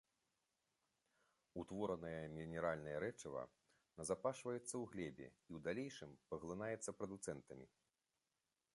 Утворанае мінеральнае рэчыва назапашваецца ў глебе і ў далейшым паглынаецца прадуцэнтамі.